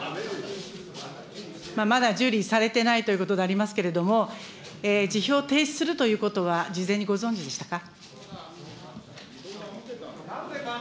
まだ受理されてないということでありますけれども、辞表を提出するということは事前にご存じでしたか。